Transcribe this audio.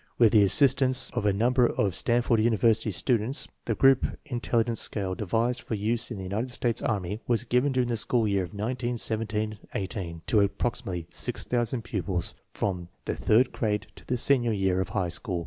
With the assistance of a number of Stanford University students, the group intelligence scale devised for use in the United States Army was given during the school year of 1917 18 to approximately six thousand pupils from the third xhr PREFACE grade to the senior year of high school.